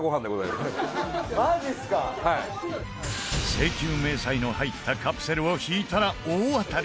請求明細の入ったカプセルを引いたら、大当たり！